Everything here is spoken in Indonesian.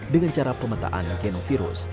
dengan cara pemetaan genom virus